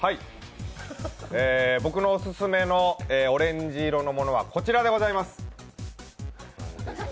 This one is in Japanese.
僕のオススメのオレンジ色のものはこちらでございます。